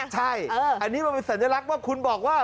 ใช่อันนี้มันเป็นสัญลักษณ์ว่าคุณบอกว่า